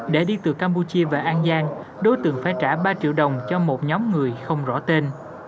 để đi từ campuchia về an giang đối tượng phải trả ba triệu đồng cho một nhóm người không rõ tên